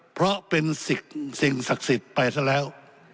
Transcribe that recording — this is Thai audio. เพราะเป็นสิ่งศักดิ์สิทธิ์ไปซะแล้ว